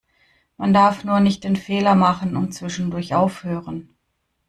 Man darf nur nicht den Fehler machen und zwischendurch aufhören.